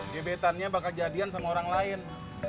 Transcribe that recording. debetannya bakal jadian sama orang lain